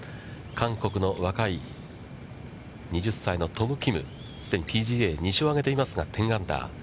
韓国の若い２０歳のトム・キム、既にＰＧＡ２勝上げていますが、１０アンダー。